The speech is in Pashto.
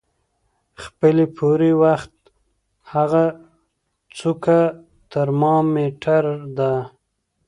خپلې پورې وخت هغه څوکه ترمامیټر د